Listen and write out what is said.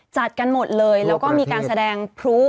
จัดกันหมดเลยแล้วก็มีการแสดงพลุ